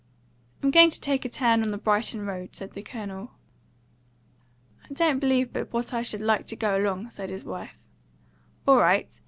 "I'm going to take a turn on the Brighton road," said the Colonel. "I don't believe but what I should like to go along," said his wife. "All right.